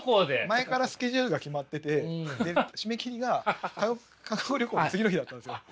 前からスケジュールが決まってて締め切りが韓国旅行の次の日だったんですよ。